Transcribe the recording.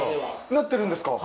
なってるんですか？